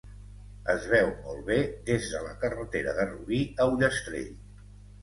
Es veu molt bé des de la carretera de Rubí a Ullastrell.